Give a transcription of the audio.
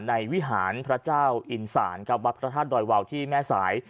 วิหารพระเจ้าอินศาลครับวัดพระธาตุดอยวาวที่แม่สาย